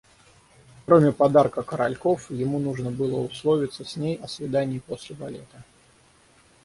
Кроме подарка коральков, ему нужно было условиться с ней о свидании после балета.